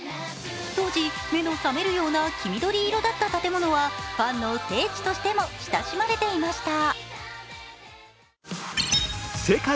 当時、目の覚めるような黄緑色だった建物はファンの聖地としても親しまれていました。